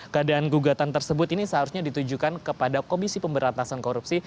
keadaan gugatan tersebut ini seharusnya ditujukan kepada komisi pemberantasan korupsi